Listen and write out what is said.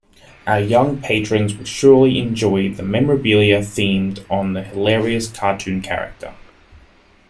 Our young patrons will surely enjoy the memorabilia themed on the hilarious cartoon character.